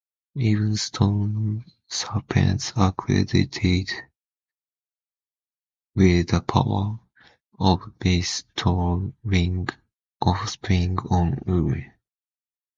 Even stone serpents are credited with a power of bestowing offspring on women.